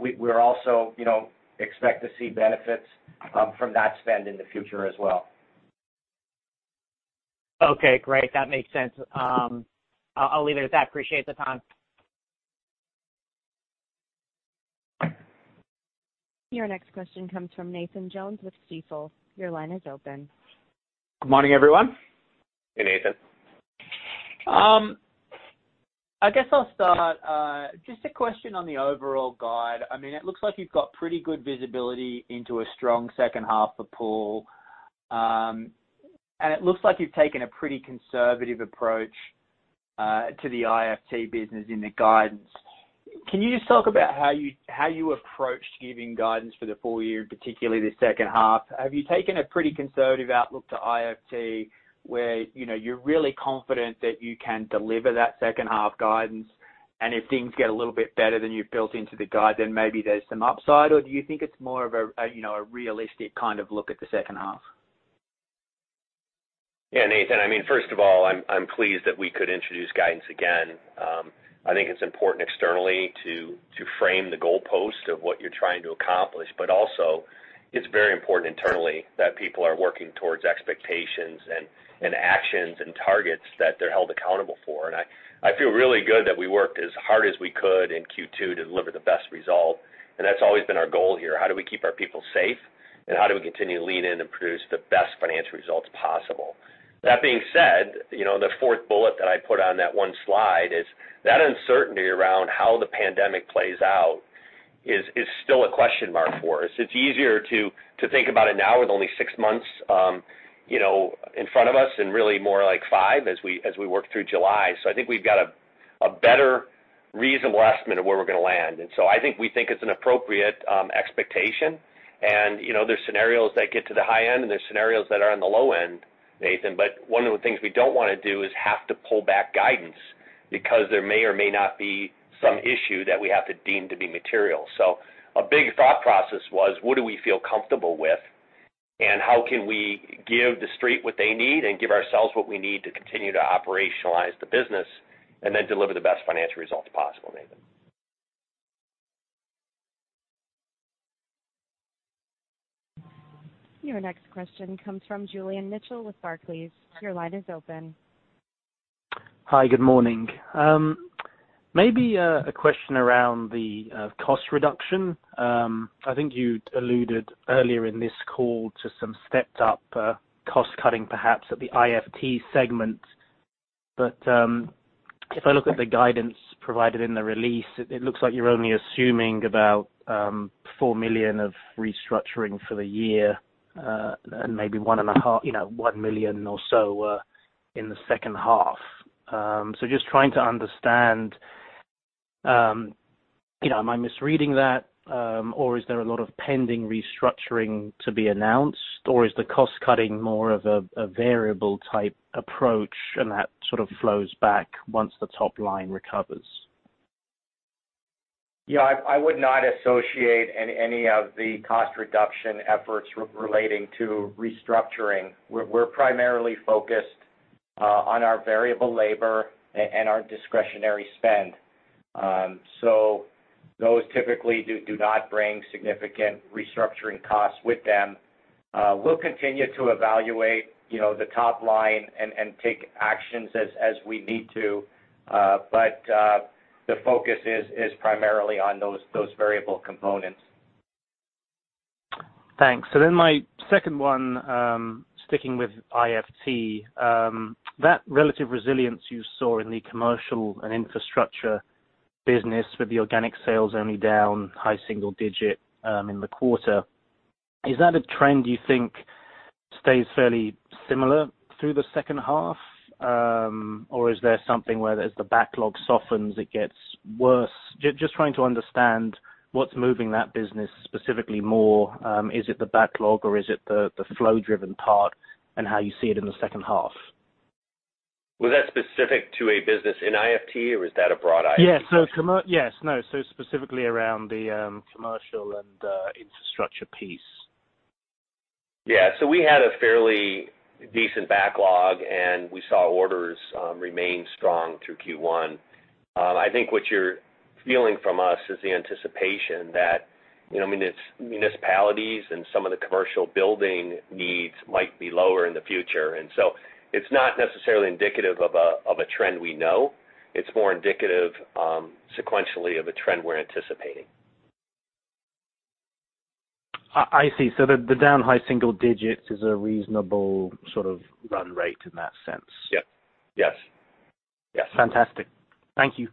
We also expect to see benefits from that spend in the future as well. Okay, great. That makes sense. I'll leave it at that. Appreciate the time. Your next question comes from Nathan Jones with Stifel. Your line is open. Good morning, everyone. Hey, Nathan. I guess I'll start. Just a question on the overall guide. It looks like you've got pretty good visibility into a strong second half for Pool. It looks like you've taken a pretty conservative approach to the IFT business in the guidance. Can you just talk about how you approached giving guidance for the full year, and particularly the second half? Have you taken a pretty conservative outlook to IFT where you're really confident that you can deliver that second half guidance, and if things get a little bit better than you've built into the guide, then maybe there's some upside, or do you think it's more of a realistic kind of look at the second half? Yeah, Nathan. First of all, I'm pleased that we could introduce guidance again. I think it's important externally to frame the goalpost of what you're trying to accomplish, but also it's very important internally that people are working towards expectations and actions and targets that they're held accountable for. I feel really good that we worked as hard as we could in Q2 to deliver the best result, and that's always been our goal here. How do we keep our people safe, and how do we continue to lean in and produce the best financial results possible? That being said, the fourth bullet that I put on that one slide is that uncertainty around how the pandemic plays out is still a question mark for us. It's easier to think about it now with only six months in front of us and really more like five as we work through July. I think we've got a better reasonable estimate of where we're going to land. I think we think it's an appropriate expectation. There's scenarios that get to the high end, and there's scenarios that are on the low end, Nathan. One of the things we don't want to do is have to pull back guidance because there may or may not be some issue that we have to deem to be material. A big thought process was what do we feel comfortable with, and how can we give the Street what they need and give ourselves what we need to continue to operationalize the business and then deliver the best financial results possible, Nathan. Your next question comes from Julian Mitchell with Barclays. Your line is open. Hi. Good morning. Maybe a question around the cost reduction. I think you alluded earlier in this call to some stepped-up cost cutting, perhaps at the IFT segment. If I look at the guidance provided in the release, it looks like you're only assuming about $4 million of restructuring for the year, and maybe $1 million or so in the second half. Just trying to understand am I misreading that, or is there a lot of pending restructuring to be announced, or is the cost cutting more of a variable type approach and that sort of flows back once the top line recovers? Yeah, I would not associate any of the cost reduction efforts relating to restructuring. We're primarily focused on our variable labor and our discretionary spend. Those typically do not bring significant restructuring costs with them. We'll continue to evaluate the top line and take actions as we need to. The focus is primarily on those variable components. Thanks. My second one, sticking with IFT. That relative resilience you saw in the commercial and infrastructure business with the organic sales only down high single digit in the quarter, is that a trend you think stays fairly similar through the second half? Is there something where as the backlog softens, it gets worse? Just trying to understand what's moving that business specifically more. Is it the backlog or is it the flow-driven part, and how you see it in the second half? Was that specific to a business in IFT or was that a broad IFT? Yes. No, specifically around the commercial and infrastructure piece. Yeah. We had a fairly decent backlog, and we saw orders remain strong through Q1. I think what you're feeling from us is the anticipation that, it's municipalities and some of the commercial building needs might be lower in the future. It's not necessarily indicative of a trend we know. It's more indicative sequentially of a trend we're anticipating. I see. The down high single digits is a reasonable sort of run rate in that sense? Yep. Yes. Fantastic. Thank you.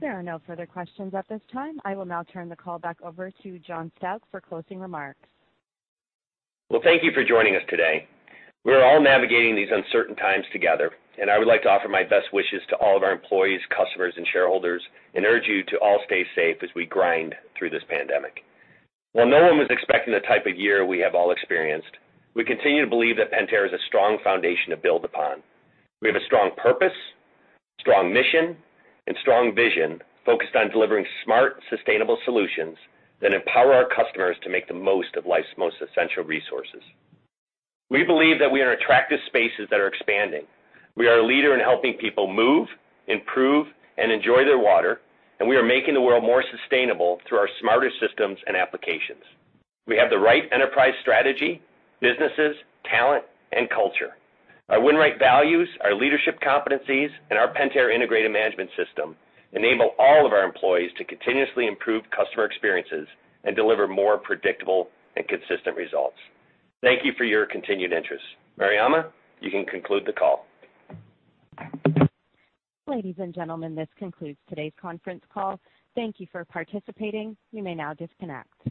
There are no further questions at this time. I will now turn the call back over to John Stauch for closing remarks. Well, thank you for joining us today. We're all navigating these uncertain times together, and I would like to offer my best wishes to all of our employees, customers, and shareholders, and urge you to all stay safe as we grind through this pandemic. While no one was expecting the type of year we have all experienced, we continue to believe that Pentair is a strong foundation to build upon. We have a strong purpose, strong mission, and strong vision focused on delivering smart, sustainable solutions that empower our customers to make the most of life's most essential resources. We believe that we are in attractive spaces that are expanding. We are a leader in helping people move, improve, and enjoy their water, and we are making the world more sustainable through our smarter systems and applications. We have the right enterprise strategy, businesses, talent, and culture. Our Win Right values, our leadership competencies, and our Pentair Integrated Management System enable all of our employees to continuously improve customer experiences and deliver more predictable and consistent results. Thank you for your continued interest. Mariama, you can conclude the call. Ladies and gentlemen, this concludes today's conference call. Thank you for participating. You may now disconnect.